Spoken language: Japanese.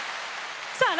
さあ